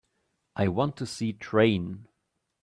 I want to see Train